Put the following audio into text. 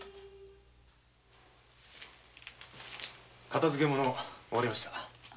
片づけ物終わりました。